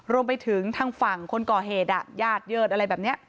รวมไปถึงทางฝั่งคนก่อเหตุญาติเยิดอะไรแบบนี้